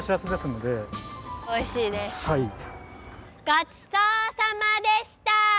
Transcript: ごちそうさまでした！